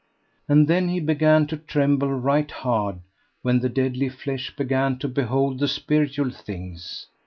And then he began to tremble right hard when the deadly flesh began to behold the spiritual things.